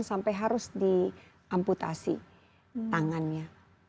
sampai harus diamputasi tangannya